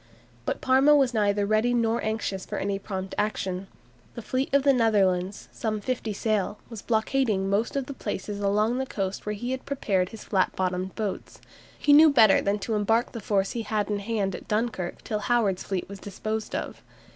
But Parma was neither ready nor anxious for any prompt action. The fleet of the Netherlanders, some fifty sail, was blockading most of the places along the coast where he had prepared his flat bottomed boats. He knew better than to embark the force he had in hand at Dunkirk till Howard's fleet was disposed of.